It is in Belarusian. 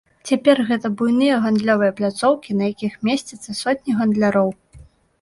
Цяпер гэта буйныя гандлёвыя пляцоўкі, на якіх месцяцца сотні гандляроў.